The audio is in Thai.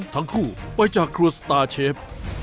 ทั้งคู่ไปจากครัวสตาร์เชฟ